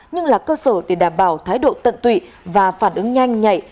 nhưng là cơ sở để đảm bảo thái độ tận tụy và phản ứng nhanh nhạy